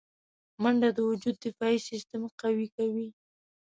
منډه د وجود دفاعي سیستم قوي کوي